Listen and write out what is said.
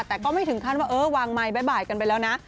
แต่ก็ไม่ถึงขั้นว่าเออวางไมค์บ๊ายกันไปแล้วนะ